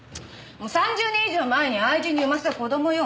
３０年以上前に愛人に産ませた子供よ！